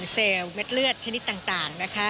เซลเม็ดเลือดชนิดต่าง